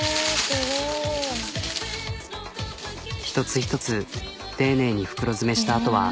一つ一つ丁寧に袋詰めしたあとは。